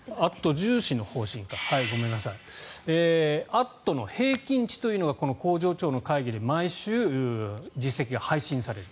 「＠」の平均値というのがこの工場長の会議で毎週、実績が配信される。